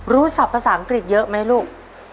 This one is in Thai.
ศัพท์ภาษาอังกฤษเยอะไหมลูก